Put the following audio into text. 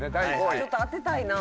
ちょっと当てたいな。